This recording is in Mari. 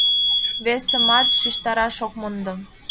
Весымат шижтараш ок мондо.